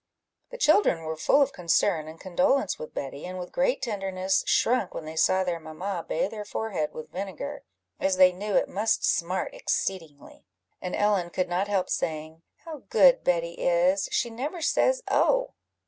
The children were full of concern and condolence with Betty, and with great tenderness shrunk when they saw their mamma bathe her forehead with vinegar, as they knew it must smart exceedingly: and Ellen could not help saying "How good Betty is! she never says oh!"